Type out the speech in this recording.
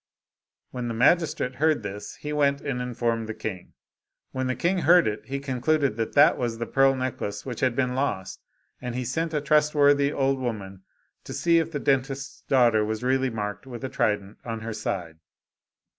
When the magistrate heard this, he went and informed the king. When the king heard it, he concluded that that was the pearl necklace which had been lost, and he sent a trustworthy old woman to see if the dentist's daughter was really marked with a trident on the side.